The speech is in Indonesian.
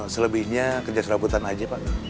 selebihnya kerja serabutan aja pak